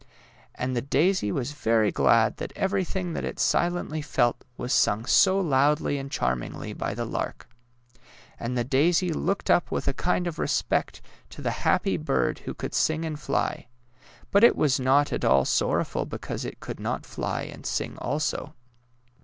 And the daisy was very glad that every thing that it silently felt was sung so loudly and charmingly by the lark. And the daisy looked up with a kind of respect to the happy bird who could sing and fly; but it was not at all sorrowful because it could not fly and sing also.